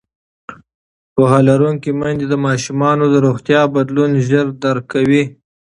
پوهه لرونکې میندې د ماشومانو د روغتیا بدلون ژر درک کوي.